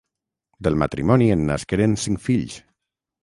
Del matrimoni en nasqueren cinc fills.